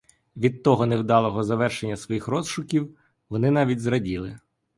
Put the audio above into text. Від того невдалого завершення своїх розшуків вони навіть зраділи.